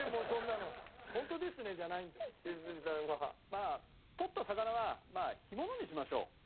まあとった魚は干物にしましょう。